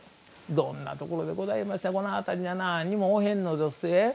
どんなところでございまして、この辺りはなんにもおへんのどすえ。